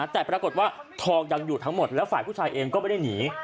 แต่ปรากฏว่าทองยังอยู่ทั้งหมดแล้วฝ่ายผู้ชายเองก็ไม่ได้หนี